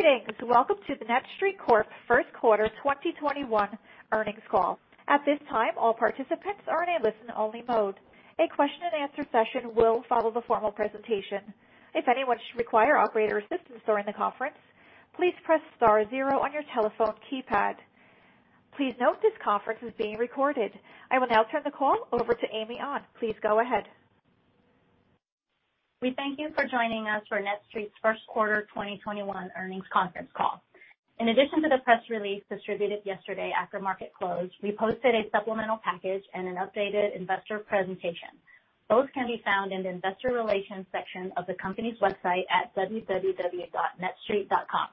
Greetings. Welcome to the NETSTREIT Corp First Quarter 2021 Earnings Call. At this time, all participants are in a listen-only mode. A question and answer session will follow the formal presentation. If anyone should require operator assistance during the conference, please press star zero on your telephone keypad. Please note this conference is being recorded. I will now turn the call over to Amy An. Please go ahead We thank you for joining us for NETSTREIT's first quarter 2021 earnings conference call. In addition to the press release distributed yesterday after market close, we posted a supplemental package and an updated investor presentation. Both can be found in the investor relations section of the company's website at www.netstreit.com.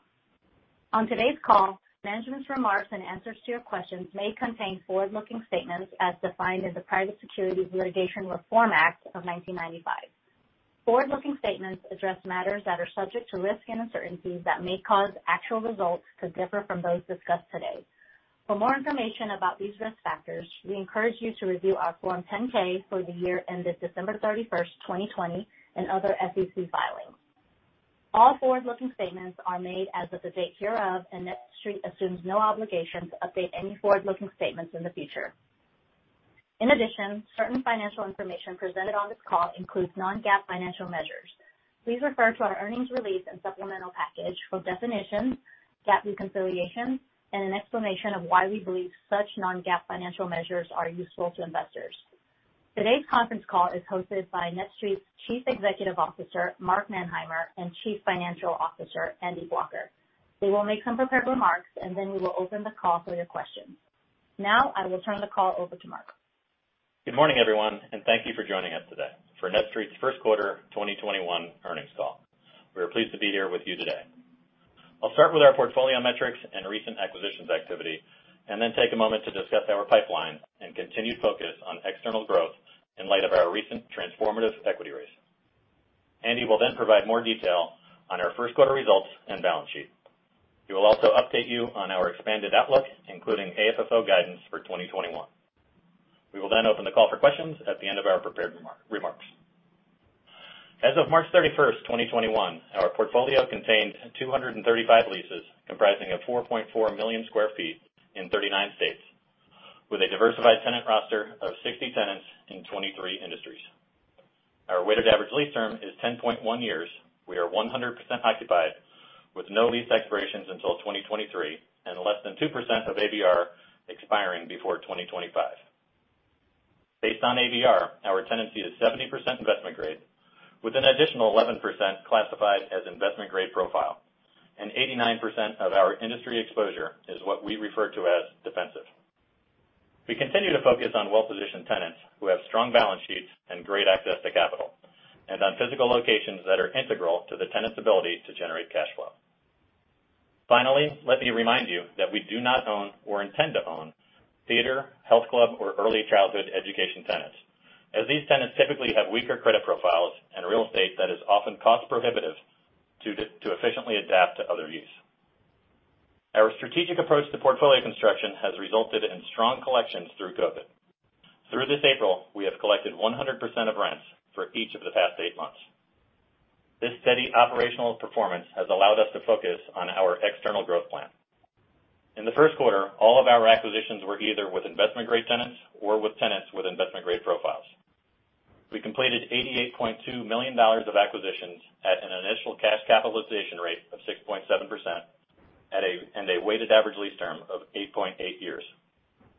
On today's call, management's remarks and answers to your questions may contain forward-looking statements as defined in the Private Securities Litigation Reform Act of 1995. Forward-looking statements address matters that are subject to risk and uncertainties that may cause actual results to differ from those discussed today. For more information about these risk factors, we encourage you to review our Form 10-K for the year ended December 31st, 2020, and other SEC filings. All forward-looking statements are made as of the date hereof, and NETSTREIT assumes no obligation to update any forward-looking statements in the future. In addition, certain financial information presented on this call includes non-GAAP financial measures. Please refer to our earnings release and supplemental package for definitions, GAAP reconciliations, and an explanation of why we believe such non-GAAP financial measures are useful to investors. Today's conference call is hosted by NETSTREIT's Chief Executive Officer, Mark Manheimer, and Chief Financial Officer, Andy Blocher. They will make some prepared remarks. We will open the call for your questions. Now I will turn the call over to Mark. Good morning, everyone, thank you for joining us today for NETSTREIT's first quarter 2021 earnings call. We are pleased to be here with you today. I'll start with our portfolio metrics and recent acquisitions activity and then take a moment to discuss our pipeline and continued focus on external growth in light of our recent transformative equity raise. Andy will provide more detail on our first quarter results and balance sheet. He will also update you on our expanded outlook, including AFFO guidance for 2021. We will open the call for questions at the end of our prepared remarks. As of March 31st, 2021, our portfolio contained 235 leases comprising of 4.4 million square feet in 39 states with a diversified tenant roster of 60 tenants in 23 industries. Our weighted average lease term is 10.1 years. We are 100% occupied with no lease expirations until 2023 and less than 2% of ABR expiring before 2025. Based on ABR, our tenancy is 70% investment grade, with an additional 11% classified as investment grade profile, and 89% of our industry exposure is what we refer to as defensive. We continue to focus on well-positioned tenants who have strong balance sheets and great access to capital, and on physical locations that are integral to the tenant's ability to generate cash flow. Finally, let me remind you that we do not own or intend to own theater, health club, or early childhood education tenants, as these tenants typically have weaker credit profiles and real estate that is often cost prohibitive to efficiently adapt to other use. Our strategic approach to portfolio construction has resulted in strong collections through COVID. Through this April, we have collected 100% of rents for each of the past eight months. This steady operational performance has allowed us to focus on our external growth plan. In the first quarter, all of our acquisitions were either with investment-grade tenants or with tenants with investment-grade profiles. We completed $88.2 million of acquisitions at an initial cash capitalization rate of 6.7% and a weighted average lease term of 8.8 years.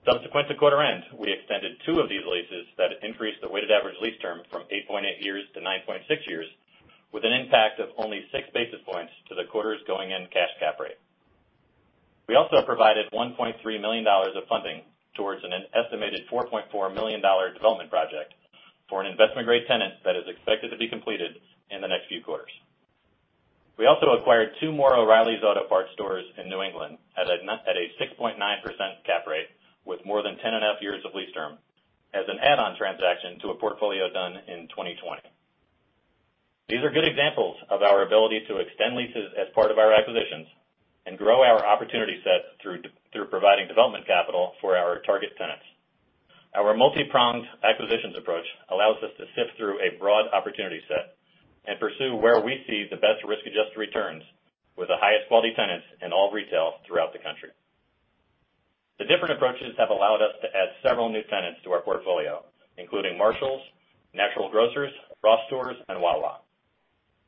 Subsequent to quarter end, we extended two of these leases that increased the weighted average lease term from 8.8 years to 9.6 years with an impact of only six basis points to the quarter's going-in cash cap rate. We also provided $1.3 million of funding towards an estimated $4.4 million development project for an investment-grade tenant that is expected to be completed in the next few quarters. We also acquired two more O'Reilly Auto Parts stores in New England at a 6.9% cap rate with more than 10.5 years of lease term as an add-on transaction to a portfolio done in 2020. These are good examples of our ability to extend leases as part of our acquisitions and grow our opportunity set through providing development capital for our target tenants. Our multi-pronged acquisitions approach allows us to sift through a broad opportunity set and pursue where we see the best risk-adjusted returns with the highest quality tenants in all retail throughout the country. The different approaches have allowed us to add several new tenants to our portfolio, including Marshalls, Natural Grocers, Ross Stores, and Wawa.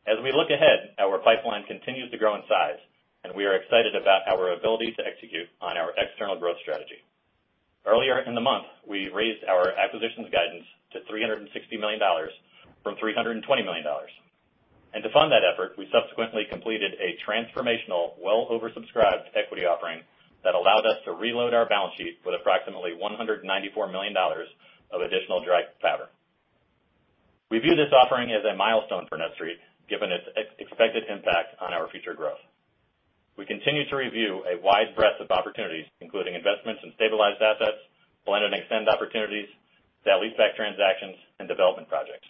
As we look ahead, our pipeline continues to grow in size, and we are excited about our ability to execute on our external growth strategy. Earlier in the month, we raised our acquisitions guidance to $360 million from $320 million. To fund that effort, we subsequently completed a transformational, well oversubscribed equity offering that allowed us to reload our balance sheet with approximately $194 million of additional dry powder. We view this offering as a milestone for NETSTREIT, given its expected impact on our future growth. We continue to review a wide breadth of opportunities, including investments in stabilized assets, blend and extend opportunities, sale-leaseback transactions, and development projects.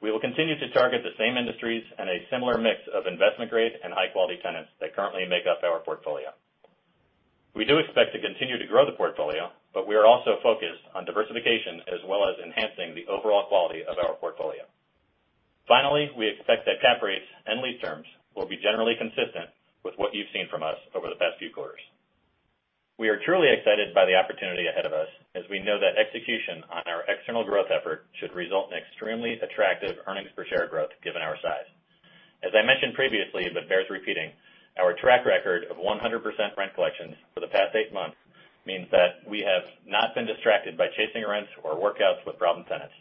We will continue to target the same industries and a similar mix of investment-grade and high-quality tenants that currently make up our portfolio. We do expect to continue to grow the portfolio, but we are also focused on diversification as well as enhancing the overall quality of our portfolio. Finally, we expect that cap rates and lease terms will be generally consistent with what you've seen from us over the past few quarters. We are truly excited by the opportunity ahead of us, as we know that execution on our external growth effort should result in extremely attractive earnings per share growth given our size. As I mentioned previously, but bears repeating, our track record of 100% rent collections for the past eight months means that we have not been distracted by chasing rents or workouts with problem tenants.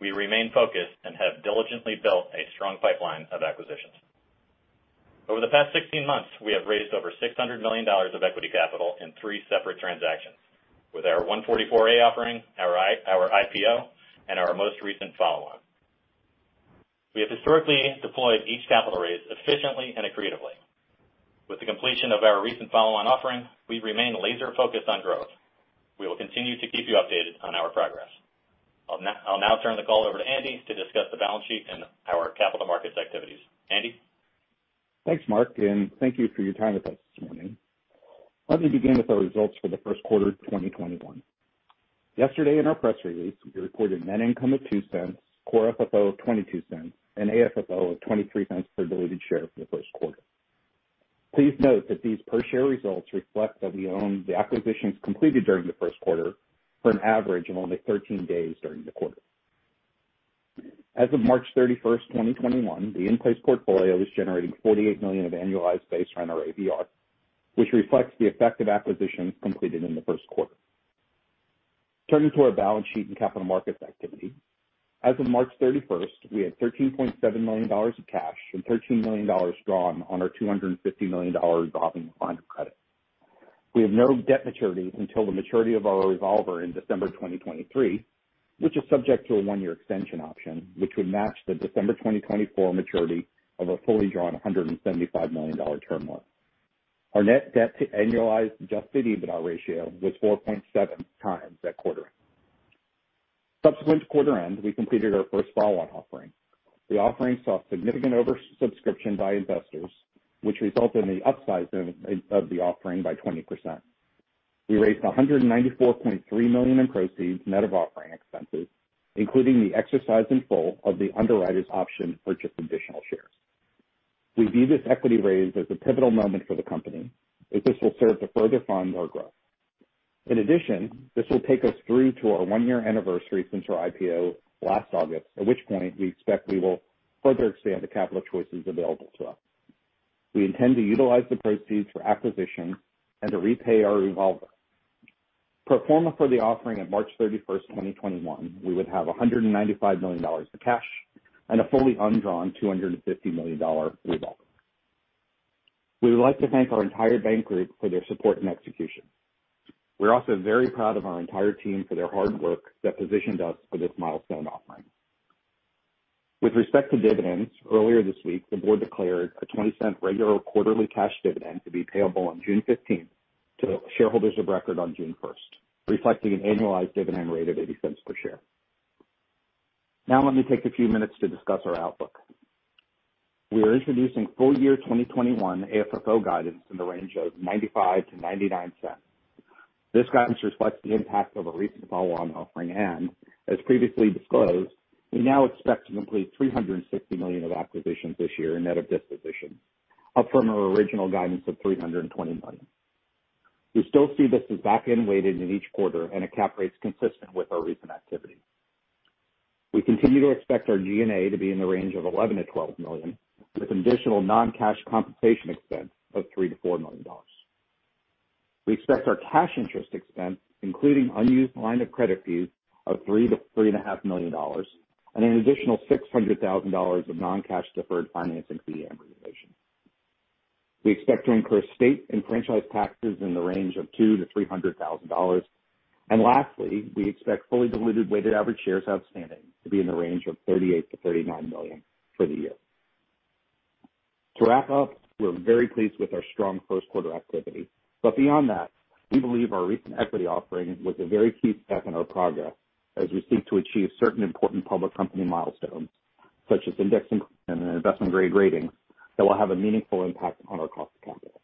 We remain focused and have diligently built a strong pipeline of acquisitions. Over the past 16 months, we have raised over $600 million of equity capital in three separate transactions, with our 144A offering, our IPO, and our most recent follow-on. We have historically deployed each capital raise efficiently and creatively. With the completion of our recent follow-on offering, we remain laser-focused on growth. We will continue to keep you updated on our progress. I'll now turn the call over to Andy to discuss the balance sheet and our capital markets activities. Andy? Thanks, Mark. Thank you for your time with us this morning. Let me begin with our results for the first quarter of 2021. Yesterday in our press release, we recorded net income of $0.02, core FFO of $0.22, and AFFO of $0.23 per diluted share for the first quarter. Please note that these per share results reflect that we own the acquisitions completed during the first quarter for an average of only 13 days during the quarter. As of March 31, 2021, the in-place portfolio is generating $48 million of annualized base rent or ABR, which reflects the effect of acquisitions completed in the first quarter. Turning to our balance sheet and capital markets activity. As of March 31, we had $13.7 million of cash and $13 million drawn on our $250 million revolving line of credit. We have no debt maturities until the maturity of our revolver in December 2023, which is subject to a one-year extension option, which would match the December 2024 maturity of a fully drawn $175 million term loan. Our net debt to annualized adjusted EBITDA ratio was 4.7x at quarter end. Subsequent to quarter end, we completed our first follow-on offering. The offering saw significant oversubscription by investors, which resulted in the upsizing of the offering by 20%. We raised $194.3 million in proceeds net of offering expenses, including the exercise in full of the underwriter's option to purchase additional shares. We view this equity raise as a pivotal moment for the company, as this will serve to further fund our growth. In addition, this will take us through to our one-year anniversary since our IPO last August, at which point we expect we will further expand the capital choices available to us. We intend to utilize the proceeds for acquisitions and to repay our revolver. Pro forma for the offering of March 31st, 2021, we would have $195 million of cash and a fully undrawn $250 million revolver. We would like to thank our entire bank group for their support and execution. We're also very proud of our entire team for their hard work that positioned us for this milestone offering. With respect to dividends, earlier this week, the board declared a $0.20 regular quarterly cash dividend to be payable on June 15th to shareholders of record on June 1st, reflecting an annualized dividend rate of $0.80 per share. Let me take a few minutes to discuss our outlook. We are introducing full-year 2021 AFFO guidance in the range of $0.95-$0.99. This guidance reflects the impact of a recent follow-on offering, and as previously disclosed, we now expect to complete $360 million of acquisitions this year net of dispositions, up from our original guidance of $320 million. We still see this as back-end weighted in each quarter and at cap rates consistent with our recent activity. We continue to expect our G&A to be in the range of $11 million-$12 million, with additional non-cash compensation expense of $3 million-$4 million. We expect our cash interest expense, including unused line of credit fees, of $3 million-$3.5 million, and an additional $600,000 of non-cash deferred financing fee amortization. We expect to incur state and franchise taxes in the range of $200,000-$300,000. Lastly, we expect fully diluted weighted average shares outstanding to be in the range of 38-39 million for the year. To wrap up, we're very pleased with our strong first quarter activity. Beyond that, we believe our recent equity offering was a very key step in our progress as we seek to achieve certain important public company milestones, such as index inclusion and an investment-grade rating that will have a meaningful impact on our cost of capital.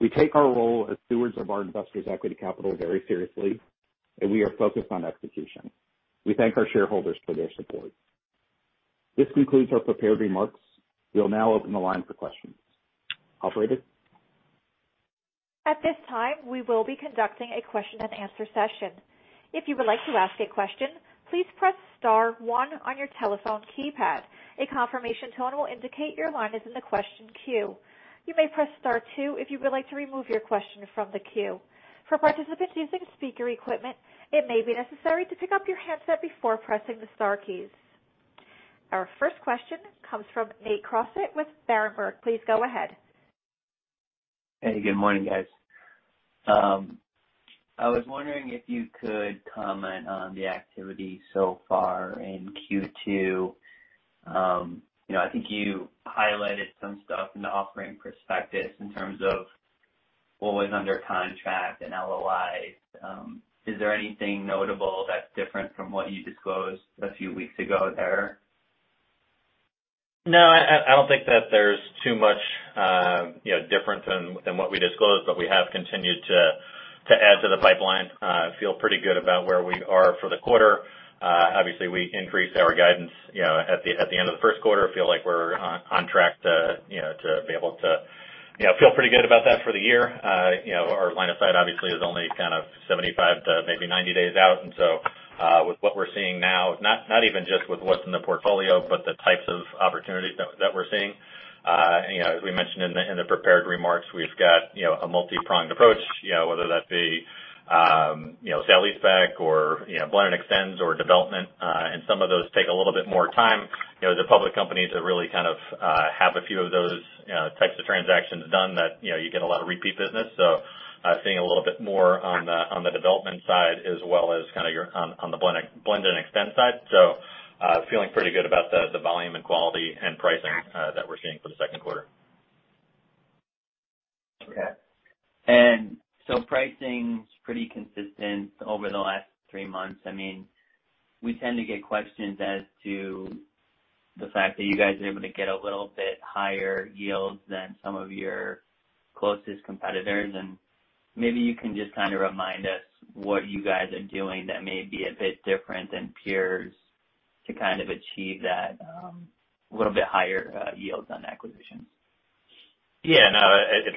We take our role as stewards of our investors' equity capital very seriously, and we are focused on execution. We thank our shareholders for their support. This concludes our prepared remarks. We'll now open the line for questions. Operator? At this time we will be conducting a question and answer session. If you would like to ask a question, please press star one on your telephone keypad. A confirmation tone will indicate your line is in the queue. You may press star two if you would like to remove your question from the queue. For participants using speaker equipment, it may be necessary to pick up your handset before pressing the star key. Our first question comes from Nate Crossett with Berenberg. Please go ahead. Hey, good morning, guys. I was wondering if you could comment on the activity so far in Q2. I think you highlighted some stuff in the offering prospectus in terms of what was under contract and LOI. Is there anything notable that's different from what you disclosed a few weeks ago there? No, I don't think that there's too much difference in what we disclosed, but we have continued to add to the pipeline. Feel pretty good about where we are for the quarter. Obviously, we increased our guidance at the end of the first quarter. Feel like we're on track to be able to feel pretty good about that for the year. Our line of sight obviously is only kind of 75 to maybe 90 days out. So, with what we're seeing now, not even just with what's in the portfolio, but the types of opportunities that we're seeing. As we mentioned in the prepared remarks, we've got a multi-pronged approach, whether that be sale leaseback or blend-and-extends or development. Some of those take a little bit more time. The public companies that really kind of have a few of those types of transactions done that you get a lot of repeat business. Seeing a little bit more on the development side as well as on the blend-and-extend side. Feeling pretty good about the volume and quality and pricing that we're seeing for the second quarter. Okay. Pricing's pretty consistent over the last three months. We tend to get questions as to the fact that you guys are able to get a little bit higher yields than some of your closest competitors. Maybe you can just kind of remind us what you guys are doing that may be a bit different than peers to kind of achieve that little bit higher yields on acquisitions. Yeah, no,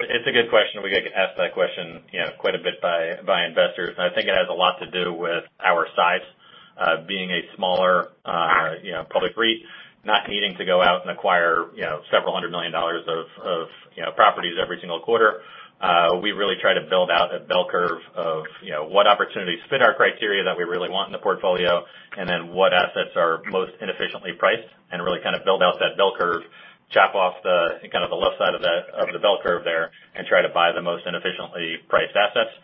it's a good question. We get asked that question quite a bit by investors, and I think it has a lot to do with our size. Being a smaller public REIT, not needing to go out and acquire several hundred million dollars of properties every single quarter. We really try to build out a bell curve of what opportunities fit our criteria that we really want in the portfolio, and then what assets are most inefficiently priced and really kind of build out that bell curve, chop off the left side of the bell curve there, and try to buy the most inefficiently priced assets.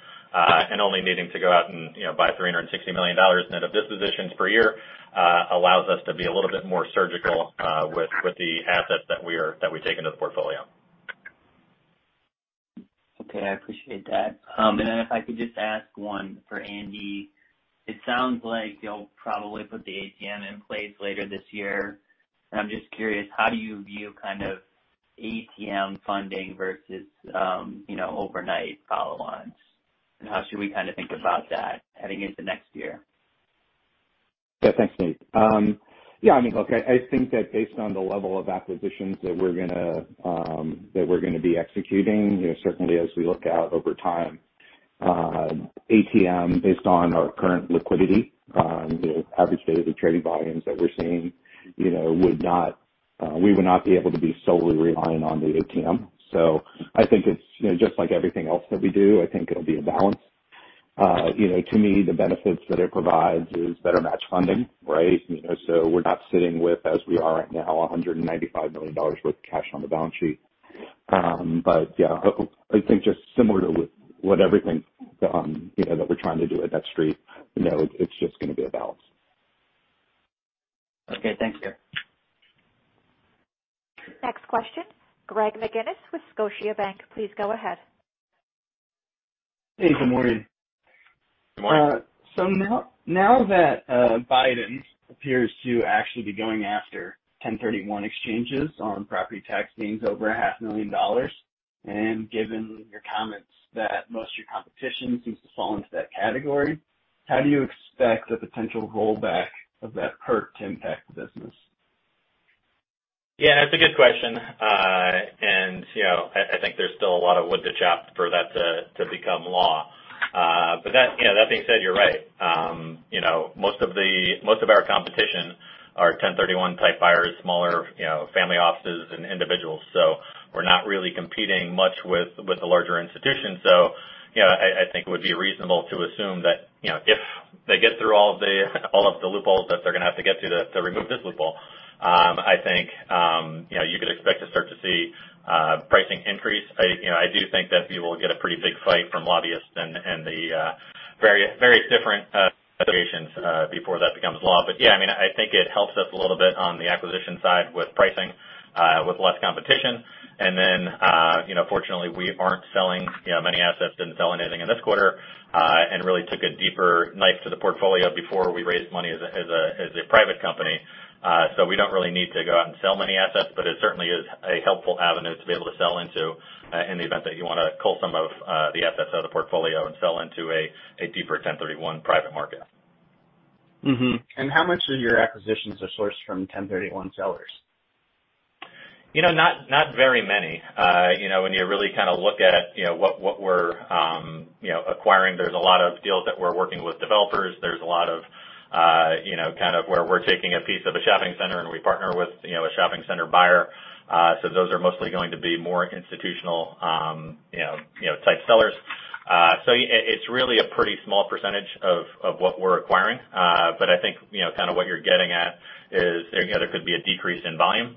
Only needing to go out and buy $360 million net of dispositions per year allows us to be a little bit more surgical with the assets that we take into the portfolio. Okay. I appreciate that. If I could just ask one for Andy. It sounds like you'll probably put the ATM in place later this year, and I'm just curious, how do you view kind of ATM funding versus overnight follow-ons? How should we kind of think about that heading into next year? Yeah, thanks, Nate. Yeah, I mean, look, I think that based on the level of acquisitions that we're gonna be executing, certainly as we look out over time, ATM, based on our current liquidity, average daily trading volumes that we're seeing, we would not be able to be solely relying on the ATM. I think it's just like everything else that we do, I think it'll be a balance. To me, the benefits that it provides is better match funding, right? We're not sitting with, as we are right now, $195 million worth of cash on the balance sheet. Yeah, I think just similar to what everything that we're trying to do at NETSTREIT, it's just gonna be a balance. Okay. Thanks, guys. Next question, Greg McGinniss with Scotiabank, please go ahead. Hey, good morning. Good morning. Now that Biden appears to actually be going after 1031 Exchange on property tax gains over a half million dollars, and given your comments that most of your competition seems to fall into that category, how do you expect the potential rollback of that perk to impact the business? Yeah, that's a good question. I think there's still a lot of wood to chop for that to become law. That being said, you're right. Most of our competition are 1031 type buyers, smaller family offices and individuals. We're not really competing much with the larger institutions. I think it would be reasonable to assume that if they get through all of the loopholes that they're gonna have to get to remove this loophole, I think you could expect to start to see pricing increase. I do think that we will get a pretty big fight from lobbyists and the various different associations before that becomes law. Yeah, I think it helps us a little bit on the acquisition side with pricing, with less competition. Fortunately, we aren't selling many assets. Didn't sell anything in this quarter. Really took a deeper knife to the portfolio before we raised money as a private company. We don't really need to go out and sell many assets, but it certainly is a helpful avenue to be able to sell into, in the event that you want to cull some of the assets out of the portfolio and sell into a deeper 1031 private market. Mm-hmm. How much of your acquisitions are sourced from 1031 sellers? Not very many. When you really kind of look at what we're acquiring, there's a lot of deals that we're working with developers. There's a lot of where we're taking a piece of a shopping center, and we partner with a shopping center buyer. Those are mostly going to be more institutional type sellers. It's really a pretty small percentage of what we're acquiring. I think kind of what you're getting at is there could be a decrease in volume,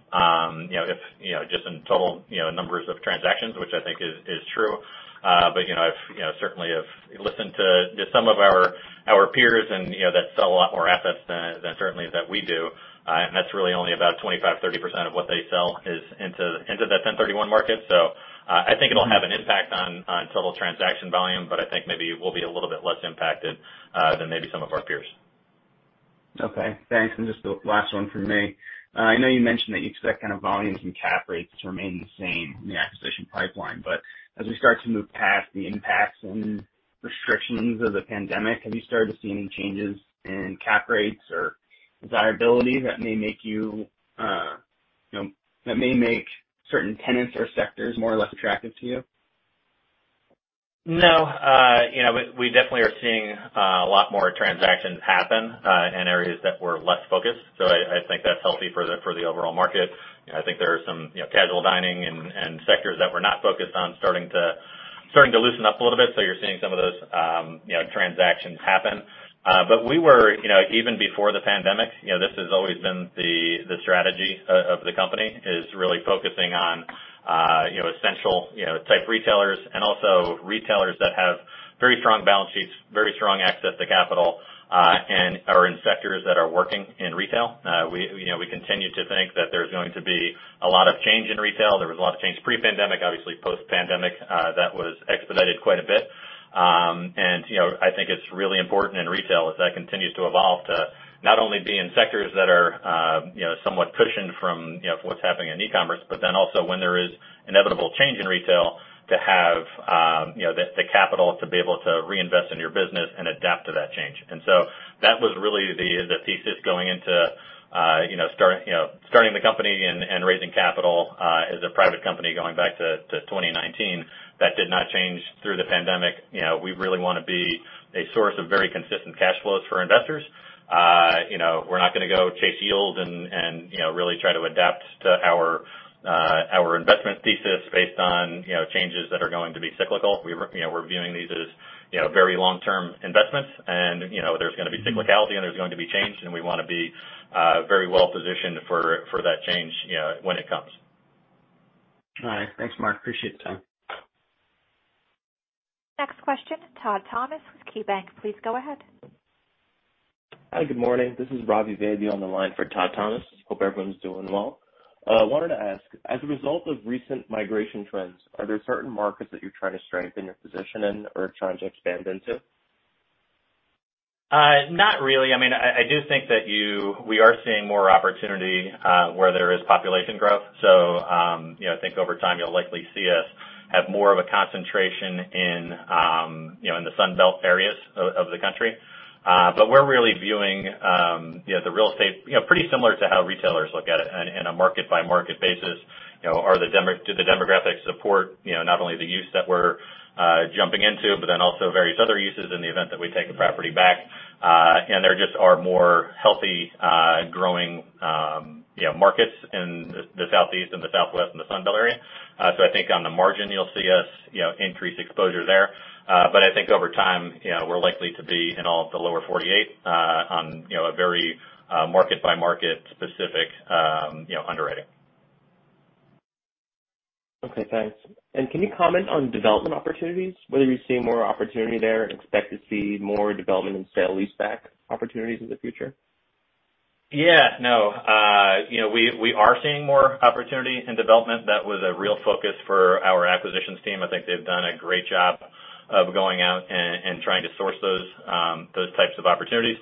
just in total numbers of transactions, which I think is true. I certainly have listened to some of our peers that sell a lot more assets than certainly that we do, and that's really only about 25%-30% of what they sell is into that 1031 market. I think it'll have an impact on total transaction volume, but I think maybe we'll be a little bit less impacted than maybe some of our peers. Okay. Thanks. Just the last one from me. I know you mentioned that you expect kind of volumes and cap rates to remain the same in the acquisition pipeline. As we start to move past the impacts and restrictions of the pandemic, have you started to see any changes in cap rates or desirability that may make certain tenants or sectors more or less attractive to you? No. We definitely are seeing a lot more transactions happen in areas that we're less focused. I think that's healthy for the overall market. I think there are some casual dining and sectors that we're not focused on starting to loosen up a little bit. You're seeing some of those transactions happen. Even before the pandemic, this has always been the strategy of the company, is really focusing on essential type retailers and also retailers that have very strong balance sheets, very strong access to capital, and are in sectors that are working in retail. We continue to think that there's going to be a lot of change in retail. There was a lot of change pre-pandemic, obviously post-pandemic, that was expedited quite a bit. I think it's really important in retail as that continues to evolve, to not only be in sectors that are somewhat cushioned from what's happening in e-commerce, but then also when there is inevitable change in retail to have the capital to be able to reinvest in your business and adapt to that change. That was really the thesis going into starting the company and raising capital as a private company going back to 2019. That did not change through the pandemic. We really want to be a source of very consistent cash flows for investors. We're not going to go chase yield and really try to adapt our investment thesis based on changes that are going to be cyclical. We're viewing these as very long-term investments and there's going to be cyclicality and there's going to be change, and we want to be very well positioned for that change when it comes. All right. Thanks, Mark. Appreciate the time. Next question, Todd Thomas with KeyBank. Please go ahead. Hi. Good morning. This is Ravi Vaidya on the line for Todd Thomas. Hope everyone's doing well. I wanted to ask, as a result of recent migration trends, are there certain markets that you're trying to strengthen your position in or trying to expand into? Not really. I do think that we are seeing more opportunity where there is population growth. I think over time you'll likely see us have more of a concentration in the Sun Belt areas of the country. We're really viewing the real estate pretty similar to how retailers look at it in a market by market basis. Do the demographics support not only the use that we're jumping into, but then also various other uses in the event that we take a property back? There just are more healthy, growing markets in the Southeast and the Southwest and the Sun Belt area. I think on the margin you'll see us increase exposure there. I think over time we're likely to be in all of the lower 48 on a very market by market specific underwriting. Okay, thanks. Can you comment on development opportunities, whether you see more opportunity there and expect to see more development in sale leaseback opportunities in the future? We are seeing more opportunity in development. That was a real focus for our acquisitions team. I think they've done a great job of going out and trying to source those types of opportunities.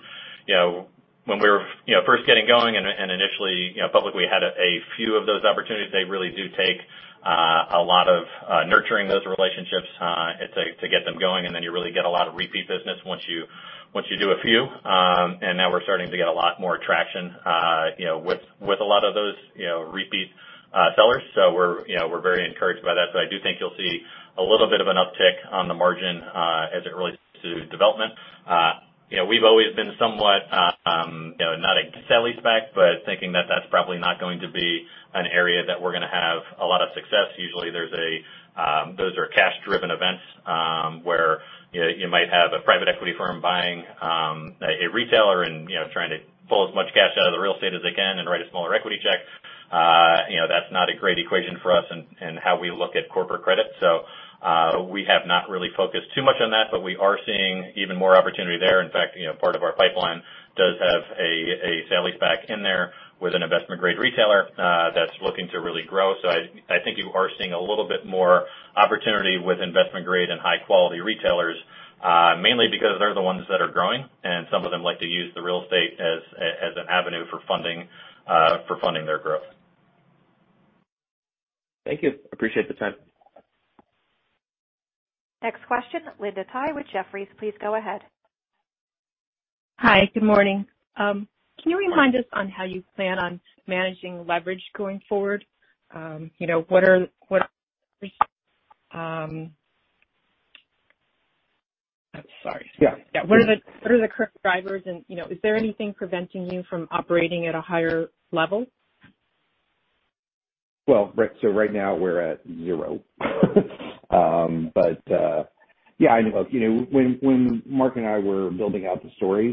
When we were first getting going and initially publicly had a few of those opportunities, they really do take a lot of nurturing those relationships to get them going. You really get a lot of repeat business once you do a few. Now we're starting to get a lot more traction with a lot of those repeat sellers. We're very encouraged by that. I do think you'll see a little bit of an uptick on the margin as it relates to development. We've always been somewhat, not against sale leaseback, but thinking that that's probably not going to be an area that we're going to have a lot of success. Usually, those are cash driven events, where you might have a private equity firm buying a retailer and trying to pull as much cash out of the real estate as they can and write a smaller equity check. That's not a great equation for us in how we look at corporate credit. We have not really focused too much on that, but we are seeing even more opportunity there. In fact, part of our pipeline does have a sale leaseback in there with an investment grade retailer that's looking to really grow. I think you are seeing a little bit more opportunity with investment grade and high-quality retailers, mainly because they're the ones that are growing and some of them like to use the real estate as an avenue for funding their growth. Thank you. Appreciate the time. Next question, Linda Tsai with Jefferies. Please go ahead. Hi. Good morning. Can you remind us on how you plan on managing leverage going forward? What are the current drivers and is there anything preventing you from operating at a higher level? Right now we're at zero. When Mark and I were building out the story,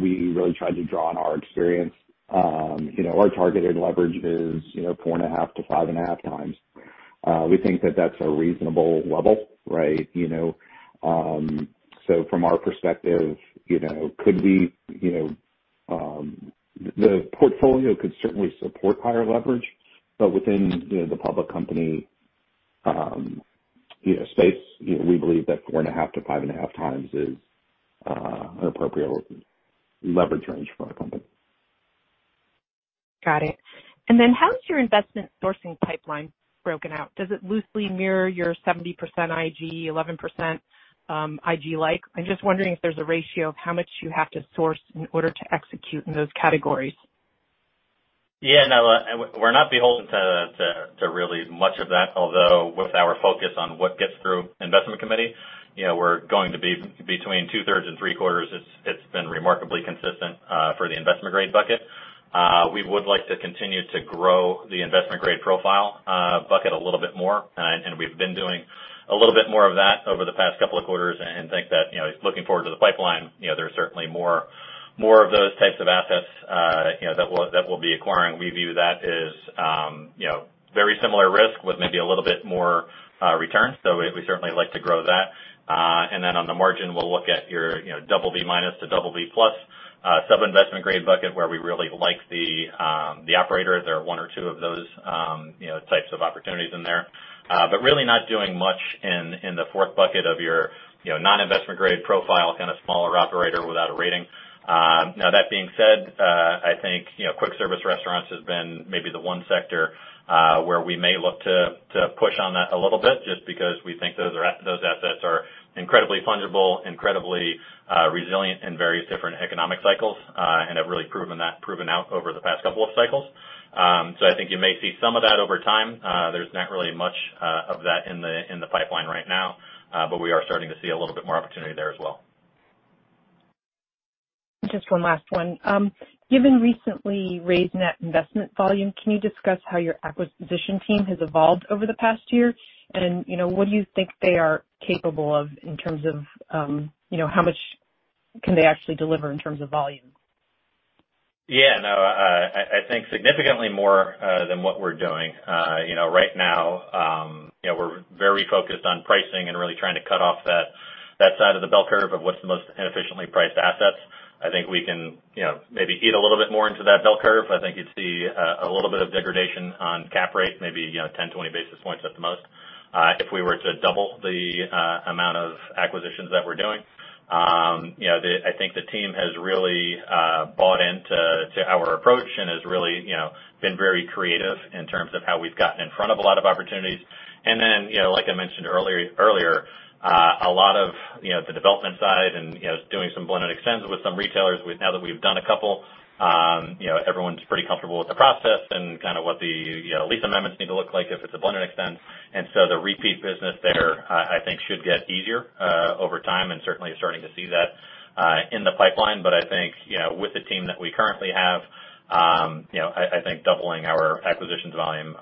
we really tried to draw on our experience. Our targeted leverage is four and a half to five and a half times. We think that that's a reasonable level. Right. From our perspective, the portfolio could certainly support higher leverage, but within the public company Space, we believe that 4.5x-5.5x is an appropriate leverage range for our company. Got it. Then how is your investment sourcing pipeline broken out? Does it loosely mirror your 70% IG, 11% IG-like? I'm just wondering if there's a ratio of how much you have to source in order to execute in those categories. Yeah, no, we're not beholden to really much of that. Although with our focus on what gets through investment committee, we're going to be between two-thirds and three-quarters. It's been remarkably consistent for the investment-grade bucket. We would like to continue to grow the investment-grade profile bucket a little bit more. We've been doing a little bit more of that over the past couple of quarters and think that, looking forward to the pipeline, there's certainly more of those types of assets that we'll be acquiring. We view that as very similar risk with maybe a little bit more return. We'd certainly like to grow that. On the margin, we'll look at your BB- to BB+ sub-investment grade bucket where we really like the operator. There are one or two of those types of opportunities in there. Really not doing much in the fourth bucket of your non-investment grade profile, kind of smaller operator without a rating. Now that being said, I think quick service restaurants has been maybe the one sector, where we may look to push on that a little bit, just because we think those assets are incredibly fungible, incredibly resilient in various different economic cycles, and have really proven out over the past couple of cycles. I think you may see some of that over time. There's not really much of that in the pipeline right now. We are starting to see a little bit more opportunity there as well. Just one last one. Given recently raised net investment volume, can you discuss how your acquisition team has evolved over the past year? What do you think they are capable of in terms of how much can they actually deliver in terms of volume? Yeah. No, I think significantly more than what we're doing. Right now, we're very focused on pricing and really trying to cut off that side of the bell curve of what's the most inefficiently priced assets. I think we can maybe eat a little bit more into that bell curve. I think you'd see a little bit of degradation on cap rates, maybe 10, 20 basis points at the most, if we were to double the amount of acquisitions that we're doing. I think the team has really bought into our approach and has really been very creative in terms of how we've gotten in front of a lot of opportunities. Then, like I mentioned earlier, a lot of the development side and doing some blend and extends with some retailers, now that we've done a couple, everyone's pretty comfortable with the process and kind of what the lease amendments need to look like if it's a blend and extend. So the repeat business there, I think should get easier over time, and certainly starting to see that in the pipeline. I think, with the team that we currently have I think doubling our acquisitions volume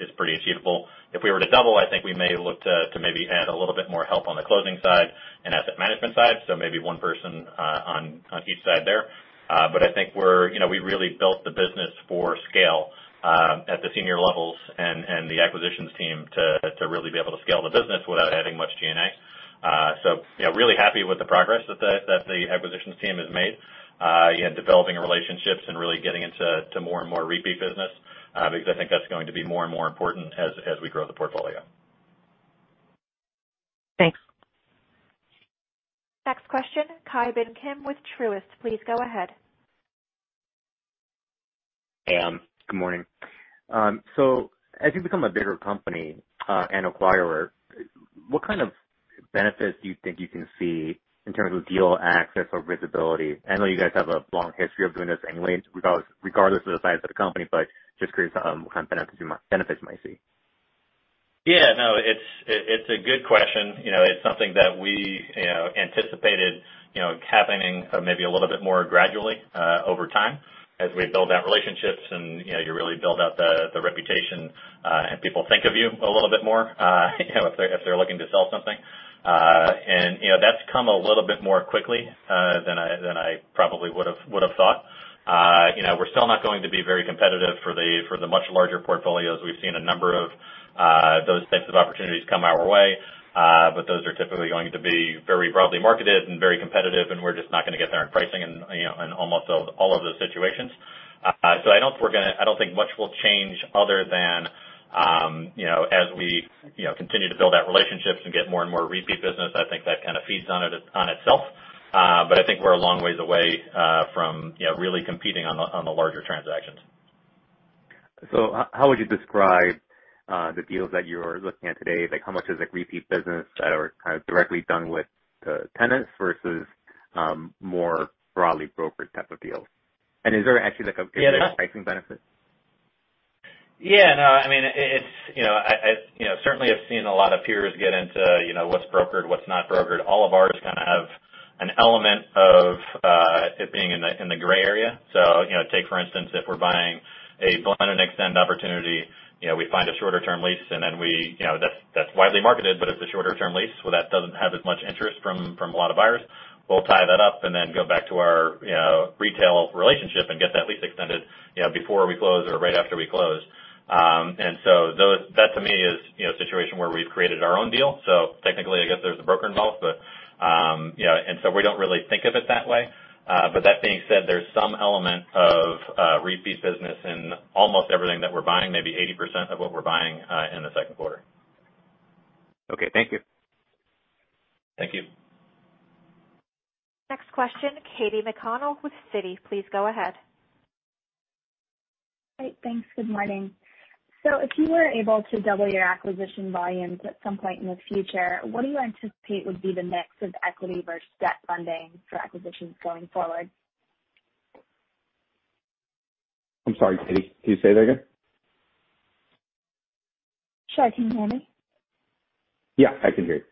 is pretty achievable. If we were to double, I think we may look to maybe add a little bit more help on the closing side and asset management side. Maybe one person on each side there. I think we really built the business for scale at the senior levels and the acquisitions team to really be able to scale the business without adding much G&A. Really happy with the progress that the acquisitions team has made, developing relationships and really getting into more and more repeat business, because I think that's going to be more and more important as we grow the portfolio. Thanks. Next question, Ki Bin Kim with Truist. Please go ahead. Hey. Good morning. As you become a bigger company, and acquirer, what kind of benefits do you think you can see in terms of deal access or visibility? I know you guys have a long history of doing this anyway, regardless of the size of the company, but just curious what kind of benefits you might see. Yeah. No, it's a good question. It's something that we anticipated happening maybe a little bit more gradually over time as we build out relationships and you really build out the reputation, and people think of you a little bit more if they're looking to sell something. That's come a little bit more quickly than I probably would've thought. We're still not going to be very competitive for the much larger portfolios. We've seen a number of those types of opportunities come our way. Those are typically going to be very broadly marketed and very competitive, and we're just not gonna get there on pricing in almost all of those situations. I don't think much will change other than as we continue to build out relationships and get more and more repeat business. I think that kind of feeds on itself. I think we're a long ways away from really competing on the larger transactions. How would you describe the deals that you're looking at today? How much is repeat business that are kind of directly done with the tenants versus more broadly brokered type of deals? Is there actually a pricing benefit? No, certainly I've seen a lot of peers get into what's brokered, what's not brokered. All of ours kind of have an element of it being in the gray area. Take for instance, if we're buying a blend and extend opportunity, we find a shorter-term lease and then that's widely marketed, but it's a shorter-term lease, so that doesn't have as much interest from a lot of buyers. We'll tie that up and then go back to our retail relationship and get that lease extended before we close or right after we close. That to me is a situation where we've created our own deal. Technically, I guess there's a broker involved, but we don't really think of it that way. That being said, there's some element of repeat business in almost everything that we're buying, maybe 80% of what we're buying in the second quarter. Okay. Thank you. Thank you. Next question, Katie McConnell with Citi. Please go ahead. Great. Thanks. Good morning. If you were able to double your acquisition volumes at some point in the future, what do you anticipate would be the mix of equity versus debt funding for acquisitions going forward? I'm sorry, Katie, can you say that again? Sure. Can you hear me? Yeah, I can hear you.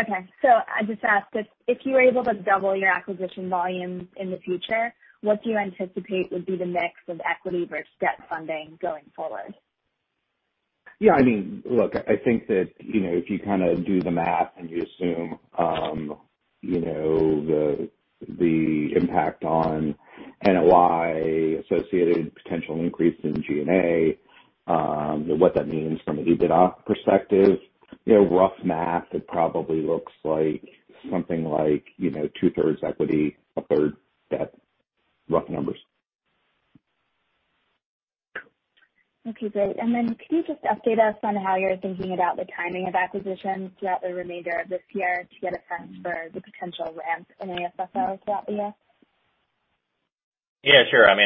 Okay. I just asked if you were able to double your acquisition volumes in the future, what do you anticipate would be the mix of equity versus debt funding going forward? Yeah, look, I think that if you do the math and you assume the impact on NOI-associated potential increase in G&A, what that means from an EBITDA perspective, rough math, it probably looks like something like 2/3 equity, 1/3 debt. Rough numbers. Okay, great. Could you just update us on how you're thinking about the timing of acquisitions throughout the remainder of this year to get a sense for the potential ramp in AFFO throughout the year? Yeah, sure. I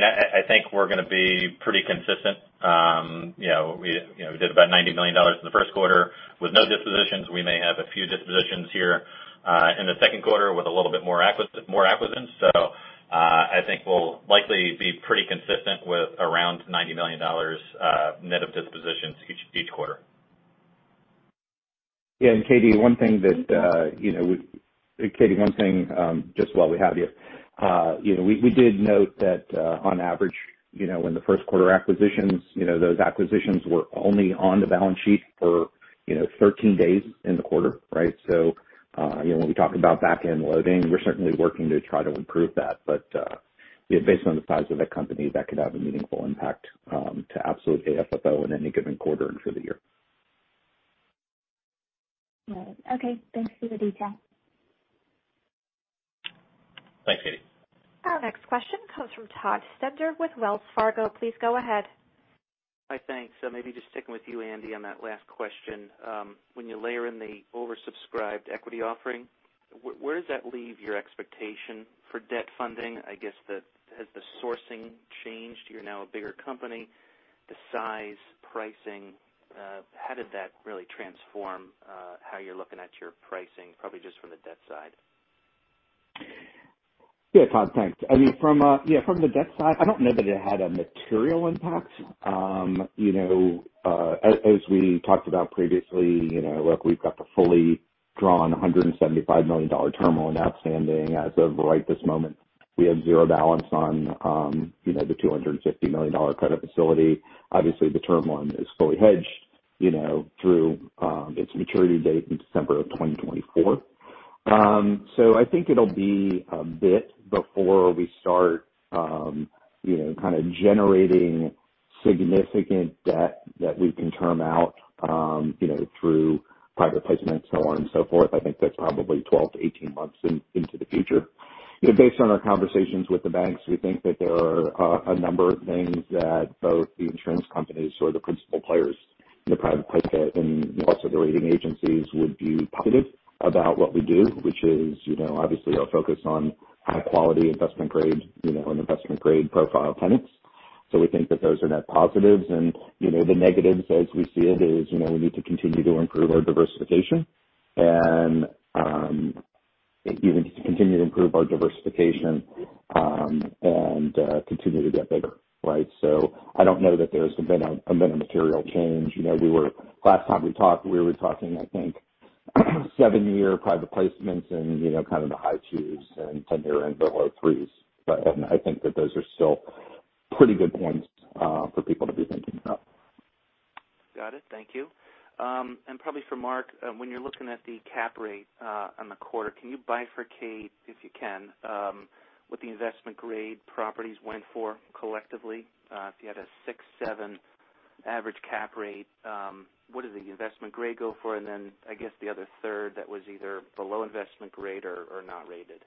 think we're gonna be pretty consistent. We did about $90 million in the first quarter with no dispositions. We may have a few dispositions here in the second quarter with a little bit more acquisitions. I think we'll likely be pretty consistent with around $90 million net of dispositions each quarter. Yeah. Katie, one thing just while we have you. We did note that on average, in the first quarter acquisitions, those acquisitions were only on the balance sheet for 13 days in the quarter, right? When we talk about back-end loading, we're certainly working to try to improve that. Based on the size of the company, that could have a meaningful impact to absolute AFFO in any given quarter and for the year. All right. Okay. Thanks for the detail. Thanks, Katie. Our next question comes from Todd Stender with Wells Fargo. Please go ahead. Hi. Thanks. Maybe just sticking with you, Andy, on that last question. When you layer in the oversubscribed equity offering, where does that leave your expectation for debt funding? I guess, has the sourcing changed? You're now a bigger company. The size, pricing, how did that really transform how you're looking at your pricing, probably just from the debt side? Yeah, Todd. Thanks. From the debt side, I don't know that it had a material impact. As we talked about previously, look, we've got the fully drawn $175 million term loan outstanding as of right this moment. We have zero balance on the $250 million credit facility. Obviously, the term loan is fully hedged through its maturity date in December of 2024. I think it'll be a bit before we start kind of generating significant debt that we can term out through private placements, so on and so forth. I think that's probably 12-18 months into the future. Based on our conversations with the banks, we think that there are a number of things that both the insurance companies or the principal players in the private placement and also the rating agencies would view positive about what we do, which is obviously our focus on high quality investment grade and investment grade profile tenants. We think that those are net positives and the negatives as we see it is we need to continue to improve our diversification and continue to get bigger, right? I don't know that there's been a material change. Last time we talked, we were talking, I think, seven-year private placements and kind of the high twos and 10-year and below threes. I think that those are still pretty good points for people to be thinking about. Got it. Thank you. Probably for Mark, when you're looking at the cap rate on the quarter, can you bifurcate, if you can, what the investment grade properties went for collectively? If you had a six, seven average cap rate, what did the investment grade go for? Then I guess the other third that was either below investment grade or not rated.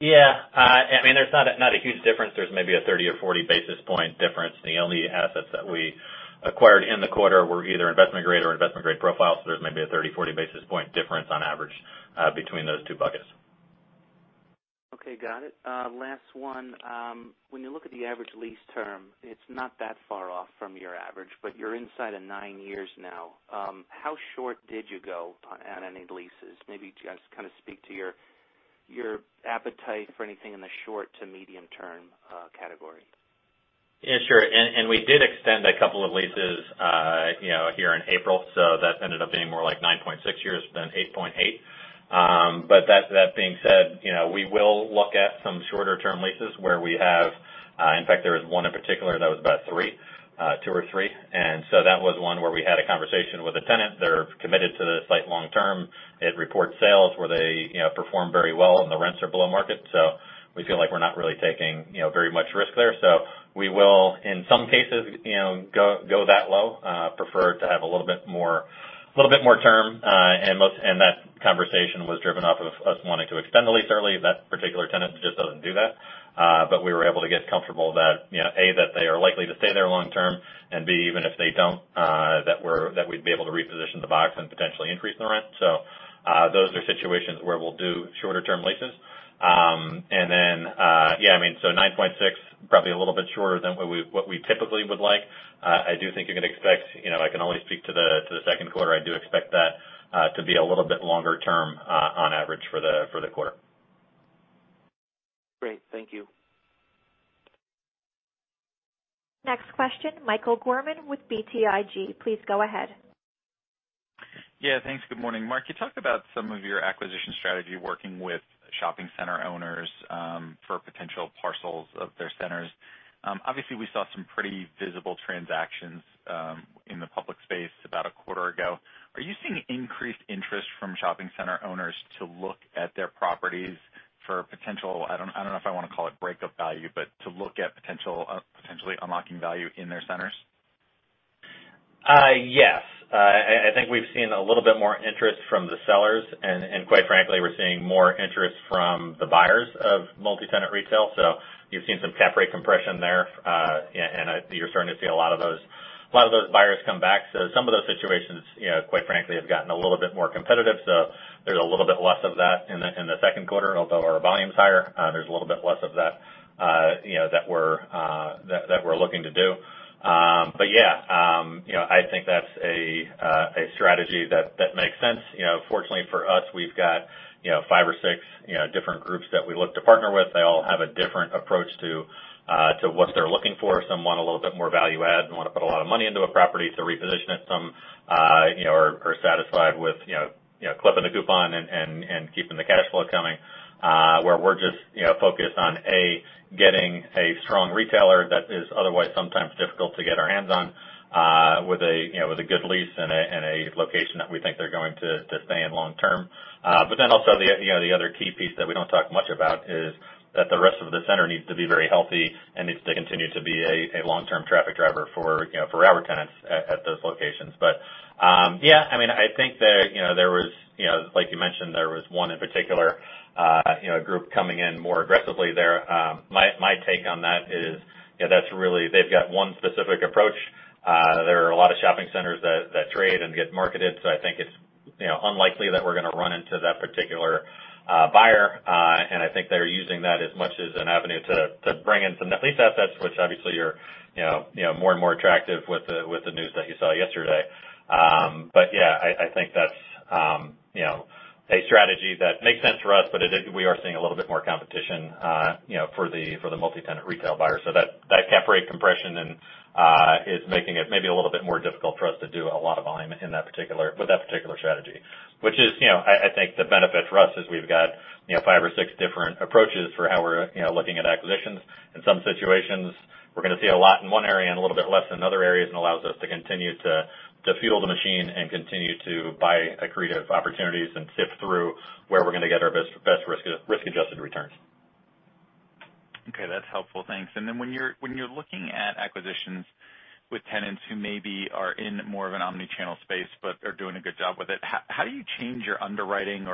Yeah. There's not a huge difference. There's maybe a 30 or 40 basis point difference, and the only assets that we acquired in the quarter were either investment grade or investment grade profile. There's maybe a 30, 40 basis point difference on average between those two buckets. Okay, got it. Last one. When you look at the average lease term, it is not that far off from your average, but you are inside of nine years now. How short did you go on any leases? Maybe just kind of speak to your appetite for anything in the short to medium-term category. Yeah, sure. We did extend a couple of leases here in April, so that ended up being more like 9.6 years than 8.8 years. That being said, we will look at some shorter-term leases where in fact, there was one in particular that was about three, two or three. That was one where we had a conversation with a tenant. They're committed to the site long-term. It reports sales where they perform very well and the rents are below market. We feel like we're not really taking very much risk there. We will, in some cases, go that low. Prefer to have a little bit more term. That conversation was driven off of us wanting to extend the lease early. That particular tenant just doesn't do that. We were able to get comfortable that, A, that they are likely to stay there long term, and B, even if they don't, that we'd be able to reposition the box and potentially increase the rent. Those are situations where we'll do shorter term leases. Then, 9.6, probably a little bit shorter than what we typically would like. I do think you can expect, I can only speak to the second quarter, I do expect that to be a little bit longer term, on average, for the quarter. Great. Thank you. Next question, Michael Gorman with BTIG. Please go ahead. Yeah, thanks. Good morning. Mark, you talked about some of your acquisition strategy working with shopping center owners for potential parcels of their centers. We saw some pretty visible transactions in the public space about a quarter ago. Are you seeing increased interest from shopping center owners to look at their properties for potential, I don't know if I want to call it breakup value, but to look at potentially unlocking value in their centers? Yes. I think we've seen a little bit more interest from the sellers, and quite frankly, we're seeing more interest from the buyers of multi-tenant retail. You've seen some cap rate compression there, and you're starting to see a lot of those buyers come back. Some of those situations, quite frankly, have gotten a little bit more competitive. There's a little bit less of that in the second quarter, although our volume's higher. There's a little bit less of that we're looking to do. Yeah, I think that's a strategy that makes sense. Fortunately for us, we've got five or six different groups that we look to partner with. They all have a different approach to what they're looking for. Some want a little bit more value add and want to put a lot of money into a property to reposition it. Some are satisfied with clipping a coupon and keeping the cash flow coming, where we're just focused on, A, getting a strong retailer that is otherwise sometimes difficult to get our hands on with a good lease and a location that we think they're going to stay in long term. Also, the other key piece that we don't talk much about is that the rest of the center needs to be very healthy and needs to continue to be a long-term traffic driver for our tenants at those locations. Yeah, I think like you mentioned, there was one particular group coming in more aggressively there. My take on that is they've got one specific approach. There are a lot of shopping centers that trade and get marketed, so I think it's unlikely that we're going to run into that particular buyer. I think they're using that as much as an avenue to bring in some net lease assets, which obviously are more and more attractive with the news that you saw yesterday. Yeah, I think that's a strategy that makes sense for us, but we are seeing a little bit more competition for the multi-tenant retail buyer. That cap rate compression is making it maybe a little bit more difficult for us to do a lot of volume with that particular strategy. Which is, I think, the benefit for us is we've got five or six different approaches for how we're looking at acquisitions. In some situations, we're going to see a lot in one area and a little bit less in other areas. It allows us to continue to fuel the machine and continue to buy accretive opportunities and sift through where we're going to get our best risk-adjusted returns. Okay, that's helpful. Thanks. When you're looking at acquisitions with tenants who maybe are in more of an omni-channel space but are doing a good job with it, how do you change your underwriting?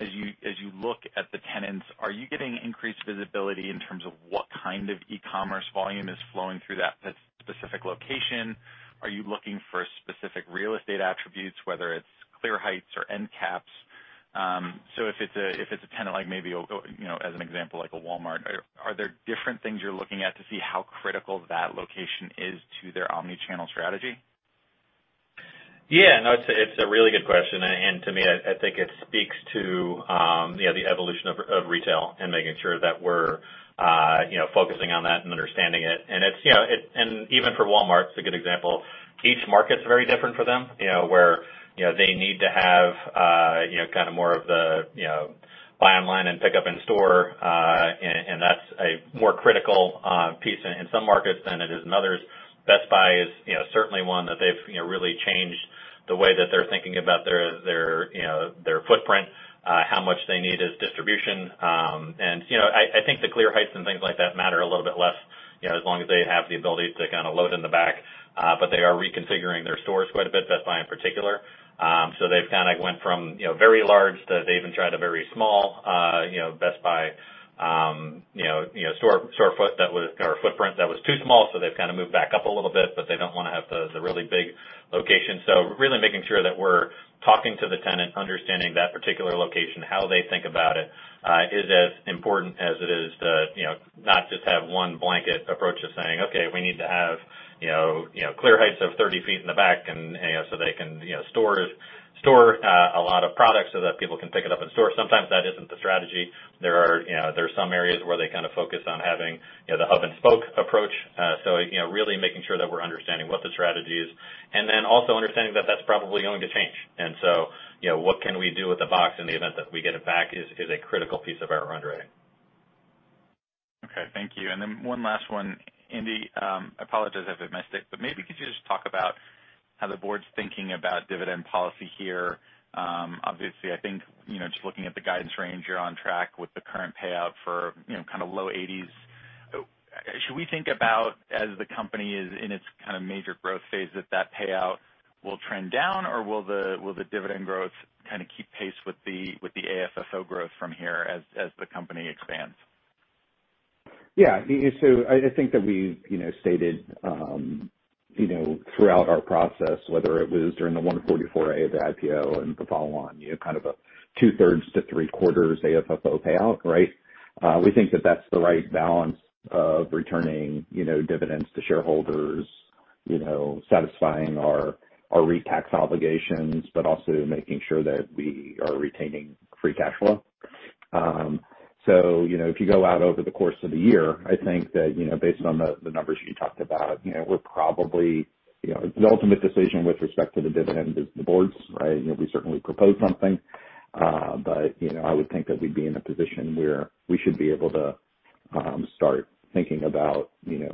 As you look at the tenants, are you getting increased visibility in terms of what kind of e-commerce volume is flowing through that specific location? Are you looking for specific real estate attributes, whether it's clear heights or end caps? If it's a tenant like maybe, as an example, like a Walmart, are there different things you're looking at to see how critical that location is to their omni-channel strategy? Yeah, no, it's a really good question. To me, I think it speaks to the evolution of retail and making sure that we're focusing on that and understanding it. Even for Walmart, it's a good example. Each market's very different for them, where they need to have kind of more of the buy online and pick up in store, and that's a more critical piece in some markets than it is in others. Best Buy is certainly one that they've really changed the way that they're thinking about their footprint, how much they need as distribution. I think the clear heights and things like that matter a little bit less, as long as they have the ability to kind of load in the back. They are reconfiguring their stores quite a bit, Best Buy in particular They've kind of went from very large to, they even tried a very small Best Buy footprint that was too small. They've kind of moved back up a little bit, but they don't want to have the really big location. Really making sure that we're talking to the tenant, understanding that particular location, how they think about it, is as important as it is to not just have one blanket approach of saying, okay, we need to have clear heights of 30 feet in the back so they can store a lot of products so that people can pick it up in store. Sometimes that isn't the strategy. There are some areas where they kind of focus on having the hub and spoke approach. Really making sure that we're understanding what the strategy is, and then also understanding that that's probably going to change. What can we do with the box in the event that we get it back is a critical piece of our underwriting. Okay, thank you. One last one. Andy, I apologize if I missed it, maybe could you just talk about how the board's thinking about dividend policy here? Obviously, I think, just looking at the guidance range, you're on track with the current payout for kind of low 80s. Should we think about, as the company is in its kind of major growth phase, that that payout will trend down, or will the dividend growth kind of keep pace with the AFFO growth from here as the company expands? Yeah. I think that we've stated throughout our process, whether it was during the 144A of the IPO and the follow-on, kind of a 2/3-3/4 AFFO payout, right? We think that that's the right balance of returning dividends to shareholders, satisfying our REIT tax obligations, but also making sure that we are retaining free cash flow. If you go out over the course of the year, I think that based on the numbers you talked about, the ultimate decision with respect to the dividend is the board's. We certainly propose something. I would think that we'd be in a position where we should be able to start thinking about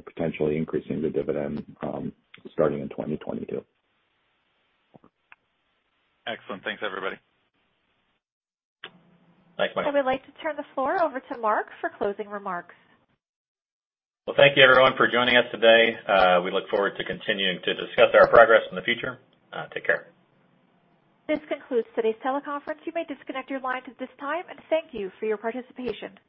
potentially increasing the dividend starting in 2022. Excellent. Thanks, everybody. Thanks, Michael. I would like to turn the floor over to Mark for closing remarks. Well, thank you everyone for joining us today. We look forward to continuing to discuss our progress in the future. Take care. This concludes today's teleconference. You may disconnect your lines at this time, and thank you for your participation.